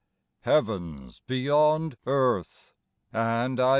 ''Heaven's beyond earth," and '*!